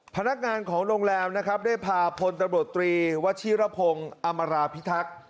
พนักงานของโรงแรมนะครับได้พาพลตำรวจตรีวัชิรพงศ์อมราพิทักษ์